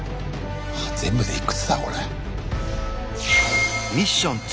全部でいくつだこれ。